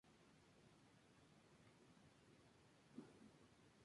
Regresó en "SummerSlam" tratando de atacar a Kane pero siendo atacado por este último.